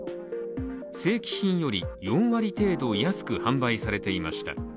正規品より４割程度安く販売されていました。